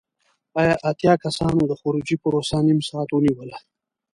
اتیا کسانو د خروجی پروسه نیم ساعت ونیوله.